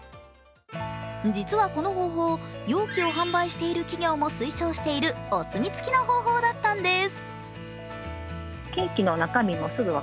実はこの方法、容器を販売している企業も推奨しているお墨付きの方法だったんです。